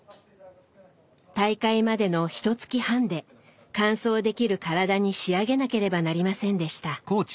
大会までのひとつき半で完走できる体に仕上げなければなりませんでした。